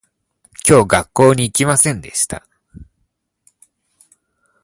今日学校に行きませんでした